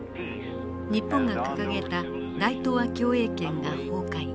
日本が掲げた大東亜共栄圏が崩壊。